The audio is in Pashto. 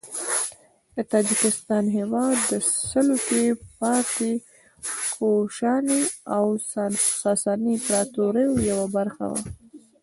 د تاجکستان هیواد د سلوکي، پارتي، کوشاني او ساساني امپراطوریو یوه برخه وه.